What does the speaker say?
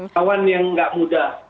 lawan yang nggak mudah